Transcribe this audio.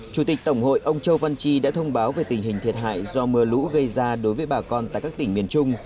chủ tịch tổng hội ông châu văn chi đã thông báo về tình hình thiệt hại do mưa lũ gây ra đối với bà con tại các tỉnh miền trung